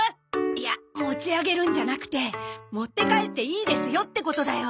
いや持ち上げるんじゃなくて持って帰っていいですよってことだよ。